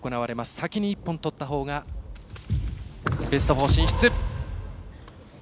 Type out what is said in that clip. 先に１本取ったほうがベスト４進出。